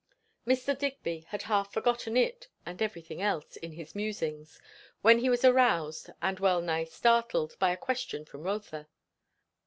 Mr. Digby had half forgotten it and everything else, in his musings, when he was aroused, and well nigh startled, by a question from Rotha.